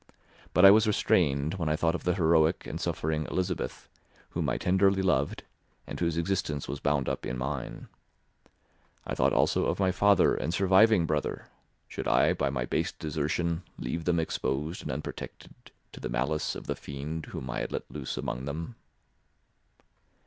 But I was restrained, when I thought of the heroic and suffering Elizabeth, whom I tenderly loved, and whose existence was bound up in mine. I thought also of my father and surviving brother; should I by my base desertion leave them exposed and unprotected to the malice of the fiend whom I had let loose among them?